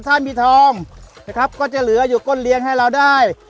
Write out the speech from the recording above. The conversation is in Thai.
ถ้ามีทองนะครับก็จะเหลืออยู่ก้นเลี้ยงให้เราได้